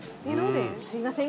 すいません